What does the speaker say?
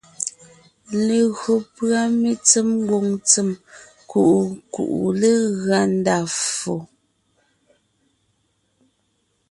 Legÿo pʉ̀a mentsém ngwòŋ ntsèm kuʼu kuʼu legʉa ndá ffo.